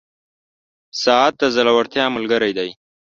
• ساعت د زړورتیا ملګری دی.